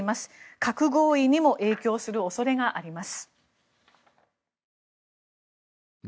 核合意にも影響する恐れがあります。